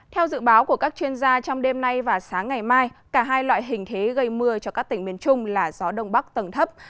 theo dự báo của các chuyên gia trong đêm nay và sáng ngày mai cả hai loại hình thế gây mưa cho các tỉnh miền trung là gió đông bắc tầng thấp